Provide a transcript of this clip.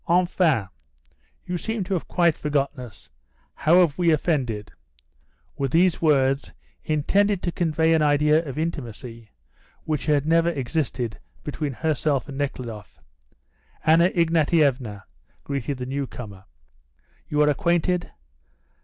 "Enfin! you seem to have quite forgotten us. How have we offended?" With these words, intended to convey an idea of intimacy which had never existed between herself and Nekhludoff, Anna Ignatievna greeted the newcomer. "You are acquainted?